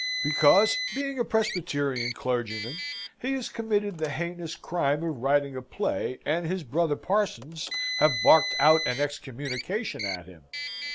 "Because, being a Presbyterian clergyman, he has committed the heinous crime of writing a play, and his brother parsons have barked out an excommunication at him.